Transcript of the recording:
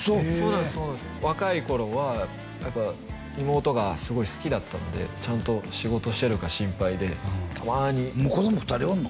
そう若いころは妹がすごい好きだったのでちゃんと仕事してるか心配でたまにもう子ども二人おんの？